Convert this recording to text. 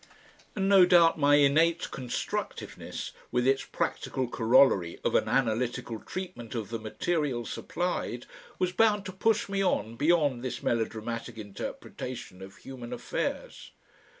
And no doubt my innate constructiveness with its practical corollary of an analytical treatment of the material supplied, was bound to push me on beyond this melodramatic interpretation of human affairs.